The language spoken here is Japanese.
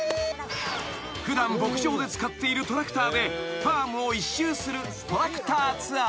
［普段牧場で使っているトラクターでファームを１周するトラクターツアー］